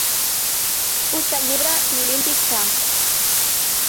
Busca el llibre The Olympic Champ.